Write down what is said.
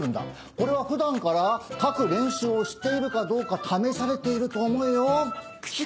これは普段から書く練習をしているかどうか試されていると思えよ。